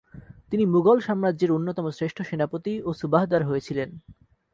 তিনি মুগল সাম্রাজ্যের অন্যতম শ্রেষ্ঠ সেনাপতি ও সুবাহদার হয়েছিলেন।